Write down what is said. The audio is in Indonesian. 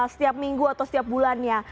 setiap minggu atau setiap bulannya